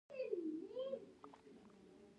له یوې مخې رد نه ادب مني.